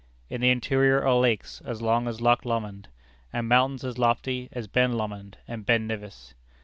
In the interior are lakes as long as Loch Lomond, and mountains as lofty as Ben Lomond and Ben Nevis.